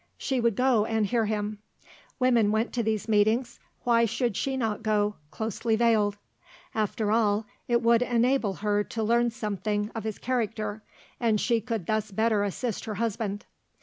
She would go and hear him; women went to these meetings; why should she not go, closely veiled? After all it would enable her to learn something of his character and she could thus better assist her husband.